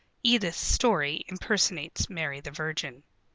(Edith Storey impersonates Mary the Virgin.)